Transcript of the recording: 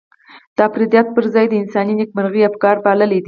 د افراطيت پر ځای د انساني نېکمرغۍ افکار پاللي دي.